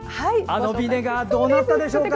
あのビネガーどうなったでしょうか。